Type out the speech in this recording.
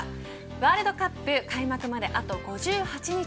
ワールドカップ開幕まであと５８日。